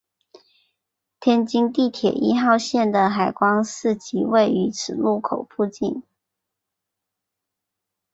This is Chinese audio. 天津地铁一号线的海光寺站即位于此路口附近。